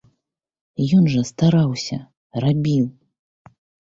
Ён жа стараўся, рабіў.